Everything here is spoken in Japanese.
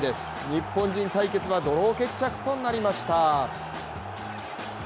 日本人対決はドロー決着となりました。